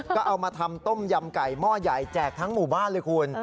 ก็เอามาทำต้มยำไก่หม้อใหญ่แจกทั้งหมู่บ้านเลยคุณ